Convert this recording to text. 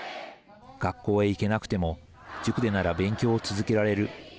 学校へ行けなくても塾でなら勉強を続けられる。